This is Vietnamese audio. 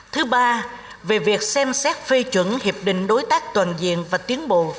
thứ ba về việc xem xét phê chuẩn hiệp định đối tác toàn diện và tiến bộ